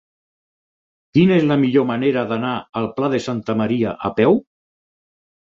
Quina és la millor manera d'anar al Pla de Santa Maria a peu?